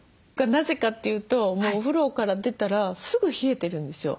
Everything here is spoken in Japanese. なぜかって言うともうお風呂から出たらすぐ冷えてるんですよ。